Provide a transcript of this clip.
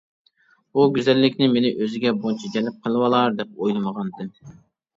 بۇ گۈزەللىكنى مېنى ئۆزىگە بۇنچە جەلپ قىلىۋالار دەپ ئويلىمىغانىدىم.